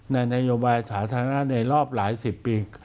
ในนโยบายสาธารณะในรอบหลายสิบปี